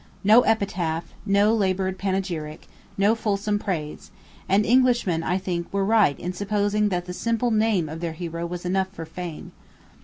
No epitaph, no labored panegyric, no fulsome praise; and Englishmen, I think, were right in supposing that the simple name of their hero was enough for fame.